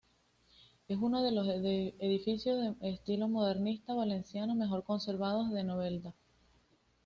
Es uno de los edificios de estilo modernista valenciano mejor conservados de Novelda.